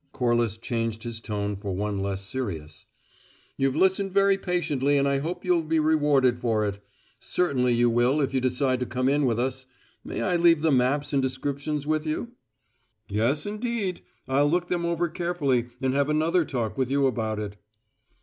Corliss changed his tone for one less serious. "You've listened very patiently and I hope you'll be rewarded for it. Certainly you will if you decide to come in with us. May I leave the maps and descriptions with you?" "Yes, indeed. I'll look them over carefully and have another talk with you about it."